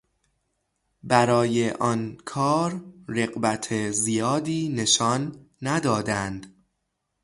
برای آن کار رغبت زیادی نشان ندادند.